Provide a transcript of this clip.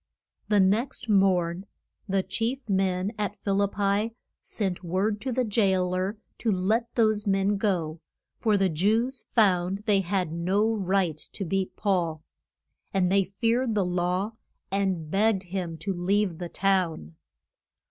The next morn the chief men at Phil ip pi sent word to the jail er to let those men go, for the Jews found they had no right to beat Paul. And they feared the law, and begged him to leave the town.